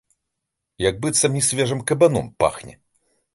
Як быццам нясвежым кабаном пахне.